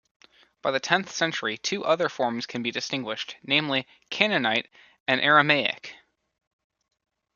By the tenth century, two other forms can be distinguished, namely Canaanite and Aramaic.